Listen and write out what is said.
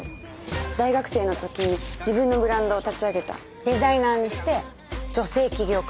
大学生の時に自分のブランドを立ち上げたデザイナーにして女性起業家。